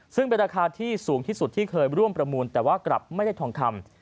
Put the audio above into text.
ซึ่งเป็นราคาที่สูงที่สุดที่เคยร่วมประมูลแต่ว่ากลับไม่ได้ทองคำ